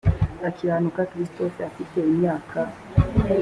akiranuka christopher ufite imyaka